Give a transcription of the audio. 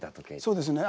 そうですね。